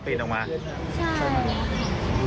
ปลายความลงแล้วก็เปียกออกมา